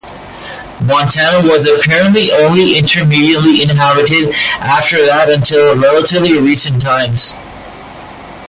Montana was apparently only intermittently inhabited after that until relatively recent times.